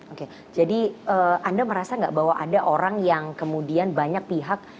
oke jadi anda merasa nggak bahwa ada orang yang kemudian banyak pihak